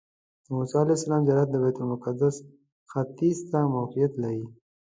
د موسی علیه السلام زیارت د بیت المقدس ختیځ ته موقعیت لري.